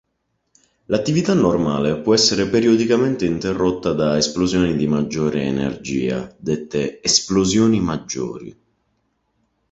L'attività normale può essere periodicamente interrotta da esplosioni di maggiore energia, dette "esplosioni maggiori".